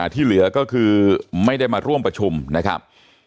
ที่เหลือก็คือไม่ได้มาร่วมประชุมนะครับ